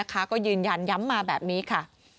ก็ยืนยันย้ำมาแบบนี้ค่ะ